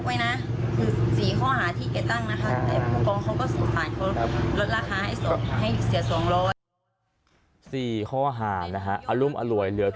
คือ๔ข้อหาที่น้องของหานักชุมอาศัยได้เหล่าด้วย